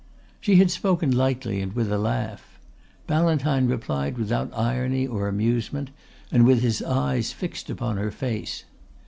She had spoken lightly and with a laugh. Ballantyne replied without irony or amusement and with his eyes fixed upon her face.